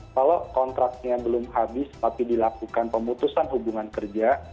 kalau kontraknya belum habis tapi dilakukan pemutusan hubungan kerja